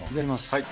はい。